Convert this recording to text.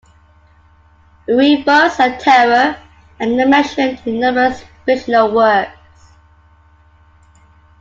"Erebus" and "Terror" are mentioned in numerous fictional works.